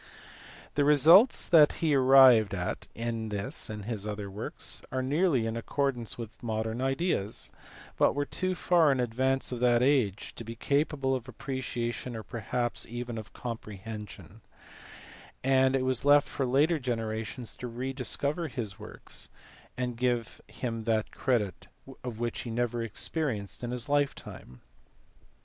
The results that he arrived at in this and his other works are nearly in accordance with modern ideas, but were too far in advance of that age to be capable of appreciation or perhaps even of comprehension, and it was left for later generations to rediscover his works, and give him that credit which he never experienced in his lifetime.